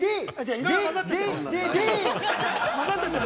いろいろ混ざっちゃってる。